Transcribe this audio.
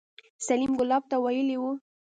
سليم ګلاب ته ويلي وو.